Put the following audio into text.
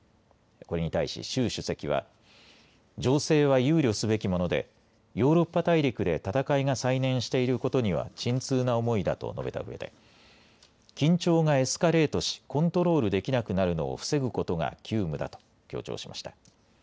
これに対し習主席は情勢は憂慮すべきものでヨーロッパ大陸で戦いが再燃していることには沈痛な思いだと述べたうえで緊張がエスカレートしコントロールできなくなるのを防ぐことが急務だと強調しました。